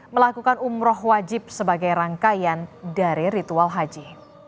melakukan umroh wajib sebagai rangkaian dari ritual haji